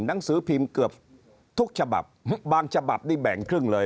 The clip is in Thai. หนังสือพิมพ์เกือบทุกฉบับบางฉบับนี่แบ่งครึ่งเลย